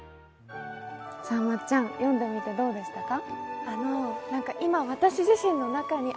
まっちゃん、読んでみてどうでしたか？